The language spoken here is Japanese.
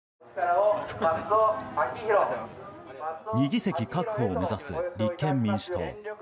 ２議席確保を目指す立憲民主党。